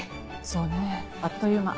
そうねあっという間。